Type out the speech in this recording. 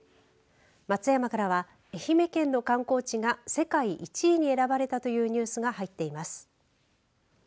松山からは愛媛県の観光地が世界１位に選ばれたというニュースが入っています。